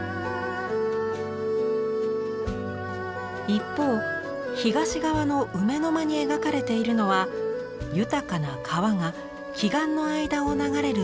一方東側の梅の間に描かれているのは豊かな川が奇岩の間を流れる名勝桂林。